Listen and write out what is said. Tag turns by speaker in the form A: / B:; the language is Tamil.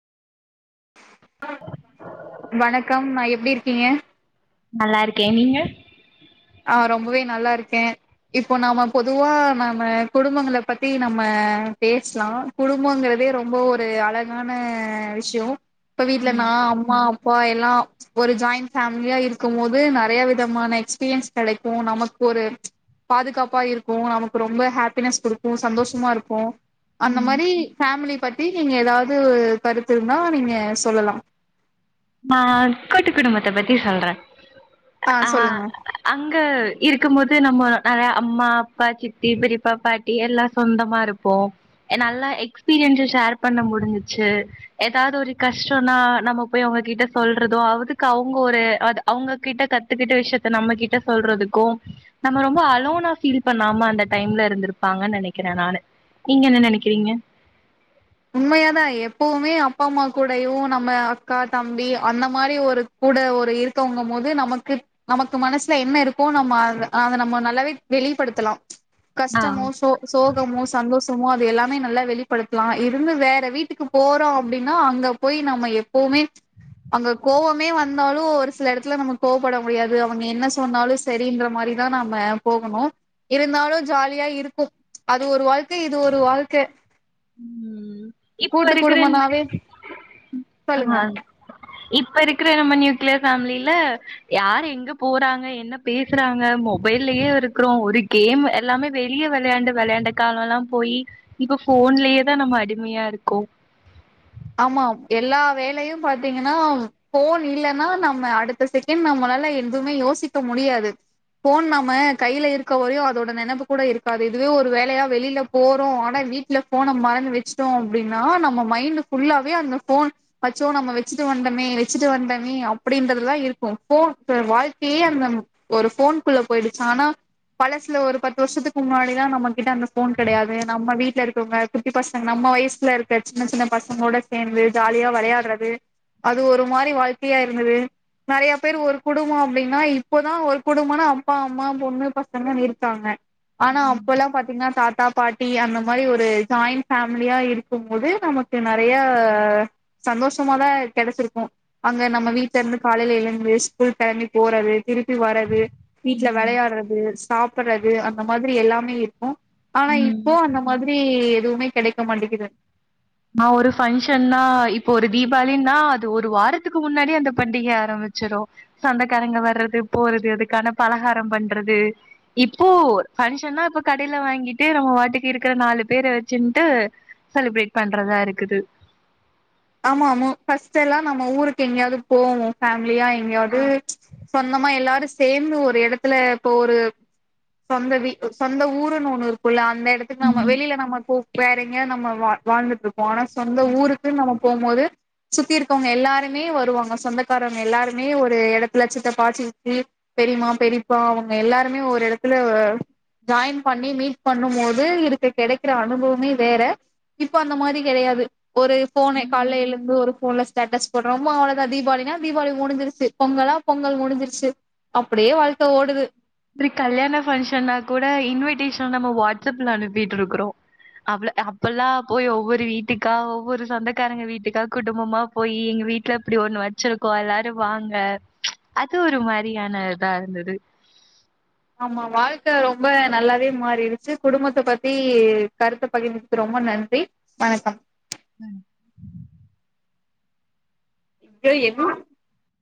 A: வணக்கம் நா எப்டி இருக்கீங்க
B: நல்லா இருக்கே நீங்க
A: ஆ ரொம்பவே நல்லா இருக்கே இப்போ நாம பொதுவா நாம குடும்பங்கள பத்தி நம்ம பேஸ்லா குடும்போங்கறதே ரொம்போ ஒரு அழகான விஷ்யோ இப்ப வீட்ல
B: ம்
A: நா அம்மா அப்பா எல்லா ஒரு ஜாயிண்ட் ஃபேமிலியா இருக்கும் போது நறையா விதமான எக்ஸ்பீரியன்ஸ் கெடைக்கோ நமக்கு ஒரு பாதுகாப்பா இருக்கு நமக்கு ரொம்ப ஹாப்பினஸ் குடுக்கு சந்தோஷமா இருக்கு அந்த
B: ம்
A: மாரி ஃபேமிலி பத்தி நீங்க எதாவது ஒரு கருத்து இருந்தா நீங்க சொல்லலா
B: நா கூட்டு குடும்பத்த பத்தி சொல்றே ஆ அங்க இருக்கும்போது நம்ம நெறயா அம்மா அப்பா சித்தி பெரியப்பா பாட்டி எல்லா சொந்தமா இருப் ப்போ நல்லா எக்ஸ்பீரியன்ஸு ஷேர் பண்ண முடிஞ்சிச்சு எதாது ஒரு கஷ்டோன்னா நம்ம போய் அவுங்க கிட்ட சொல்றது அதுக்கு அவுங்க ஒரு அ அவுங்க கிட்ட கத்துக்கிட்ட விஷயத்த நம்ம கிட்ட சொல்றதுக்கோ நம்ம ரொம்ப அலோனா ஃபீல் பண்ணாம அந்த டைம்ல இருந்திருப்பாங்கன் நெனைக்கிறே நானு நீங்க என்ன நெனைக்கிறீங்க
A: உண்மையாதா எப்பவுமே அப்பா அம்மா கூடையு நம்ம அக்கா தம்பி அந்த மாரி ஒரு கூட ஒரு இருக்கவங்கமோது நமக்கு நமக்கு மனசுல என்ன இருக்கோ நம்ம அத அத நம்ம நல்லாவே வெளிப்படுத்தலா
B: ஆ
A: கஸ்டமோ சோ சோகமோ சந்தோஷமோ அது எல்லாமே நல்லா வெளிப்படுத்லா இருந்து வேற வீட்டுக்கு போறோ அப்டின்னா அங்க போய் நம்ம எப்பவுமே அங்க கோவமே வந்தாலு ஒரு சில எடத்துல நம்ம கோவப்பட முடியாது அவங்க என்ன சொன்னாலு செரின்ற மாரிதான் நாம போகணு இருந்தாலு ஜாலியா இருக்கு அது ஒரு வாழ்க்க இது ஒரு வாழ்க்க
B: ம் இப்ப
A: கூட்டு
B: இருக்கிற
A: குடும்பனாவே சொல்லுங்க
B: ஆ இப்ப இருக்கிற நம்ம நியூக்ளியர் ஃபேம்லில யாரு எங்க போறாங்க என்ன பேசுறாங்க மொபைல்லயே இருக்கிறோ ஒரு கேம் எல்லாமே வெளிய வெளயாண்டு வெளயாண்ட காலொல்லா போயி இப்ப ஃபோன்லயேதா நம்ம அடிமையா இருக்கோ
A: ஆமா எல்லா வேலையு பாத்தீங்கன்னா ஃபோன் இல்லனா நம்ம அடுத்த செகண் நம்மளால எதுவுமே யோசிக்க முடியாது போன் நம்ம கையில இருக்க வரையு அதோட நெனப்பு கூட இருக்காது இதுவே ஒரு வேலையா வெளில போறோ ஆனா வீட்ல ஃபோன மறந்து வெச்சுட்டோ அப்டின்னா நம்ம மைண்டு ஃபுல்லாவே அந்த ஃபோன் அச்சோ நம்ம வெச்சுட்டு வந்தமே வெச்சுட்டு வந்தமே அப்படின்றதுல்தா இருக்கு போ க வாழ்க்கியே அந்த ஒரு ஃபோன்க்குள்ள போயிடுச் ஆனா பழசுல ஒரு பத்து வருஷத்துக்கு முன்னாடிலா நம்ம கிட்ட அந்த ஃபோன் கெடையாது நம்ம வீட்ல இருக்கவங்க குட்டி பசங்க நம்ம வயசுல இருக்க சின்ன சின்ன பசங்களோட சேந்து ஜாலியா வெளயாட்றது அது ஒரு மாரி வாழ்க்கையா இருந்தது நெறைய பேரு ஒரு குடும்போ அப்டினா இப்பதா ஒரு குடும்பன அப்பா அம்மா பொண்ணு பசங்கன் இருக்காங்க ஆனா அப்பல்லாம் பாத்தீங்ன்னா தாத்தா பாட்டி அந்த மாரி ஒரு ஜாயின் பேமிலியா இருக்கும் போது நமக் கு நெறைய சந்தோஷமாதா கெடைச்சிருக்கு அங்க நம்ம வீட்ல இருந்து காலையில எழுந்து ஸ்கூல் கெளம்பி போறது திருப்பி வரது வீட்ல
B: ம்
A: வெளையாடுறது சாப்புறது அந்த மாதிரி எல்லாமே இர்க்கு ஆனா இப்போ அந்த மாதிரி எதுவுமே கெடைக்க மாட்டிக்கிது
B: நா ஒரு ஃபங்க்ஷன்னா இப்போ ஒரு தீபாவளின்னா அது ஒரு வாரத்துக்கு முன்னாடியே அந்த பண்டிக ஆரம்பிச்சிரு சொந்தக்காரங்க வர்றது போறது அதுக்கான பலகாரம் பண்றது இப்போ ஃபங்க்ஷன்னா இப்ப கடையில வாங்கிட்டு நம்ம வாட்டுக்கு இருக்கிற நாலு பேர வெச்சின்ட்டு செலப்ரேட் பண்றதா இருக்குது
A: ஆமா ஆமா ஃபஸ்ட்டெல்லா நம்ம ஊருக்கு எங்கேயாவ்து போவோ ஃபேமிலியா
B: ஆ
A: எங்கேயாவ்து சொந்தமா எல்லாரு சேந்து ஒரு எடத்துல இப்போ ஒரு சொந்த வீ ஒ சொந்த ஊருன்னு ஒண்ணு இரு க்குல்ல அந்த எடத்துக்கு நம்ம வெளியில நம்ம இப்போ கேரின்கா நம்ம வா வாழ்ந்துட்ருக்கோ ஆனா சொந்த ஊருக்கு நம போம்போது சுத்தி இருக்கவ்ங்க எல்லாருமே வருவாங்க சொந்தக்காரங்க எல்லாருமே ஒரு எடத்துல சித்தப்பா சித்தி பெரிம்மா பெரிப்பா அவங்க எல்லாருமே ஒரு எடத்துல ஆ ஜாயின் பண்ணி மீட் பண்ணும்மோது இதுக்கு கடைக்குற அனுபவமே வேற இப்ப அந்தமாரி கடையாது ஒரு ஃபோன்னு கால்ல எழுந்து ஒரு ஃபோன்ல ஸ்டேட்டஸ் போட்றோமோ அவ்வளதா தீபாவளினா தீபாவளி முடிஞ்சிருச்சு பொங்கலா பொங்கல் முடிஞ்சிருச்சு அப்படியே வாழ்க்க ஓடுது
B: கல்யாண பங்க்ஷன்னா கூட இன்விடேஷன் நம்ம வாட்ஸ் அப்ல அனுப்பிட்ருக்குறோ அவள அப்பல்லா போய் ஒவ்வொரு வீட்டுக்கா ஒவ்வொரு சொந்தக்காரங்க வீட்டுக்கா குடும்பமா போயி எங்க வீட்ல இப்டி ஒன்னு வெச்சிருக்கோ எல்லாரு வாங்க அது ஒருமாரியான இதா இருந்தது
A: ஆமா வாழ்க்க ரொம்ப நல்லாவே மாரிருச்சு குடும்பத்த பத்தி கருத்த பகிர்ந்து ரொம்ப நன்றி வணக்கம்
B: ம்
A: ஆ [unintelligible]